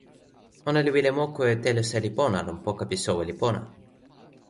ona li wile moku e telo seli pona lon poka pi soweli pona.